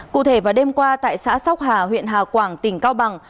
cụ thể vào đêm qua tại xã sóc hà huyện hà quảng tỉnh cao bằng